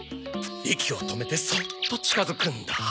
息を止めてそっと近づくんだ。